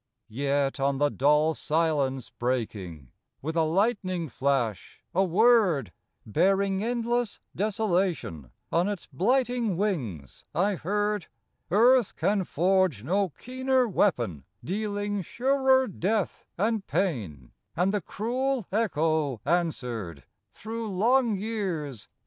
Yet, on the dull silence breaking With a lightning flash, a Word, Bearing endless desolation On its blighting wings, I heard : Earth can forge no keener weapon, Dealing surer death and pain, And the cruel echo answered Through long years again.